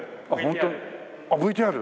ＶＴＲで。